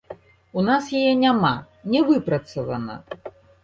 У нас яе няма, не выпрацавана.